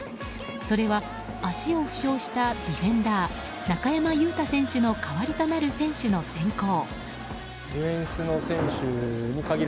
それは足を負傷したディフェンダー中山雄太選手の代わりとなる選手の選考。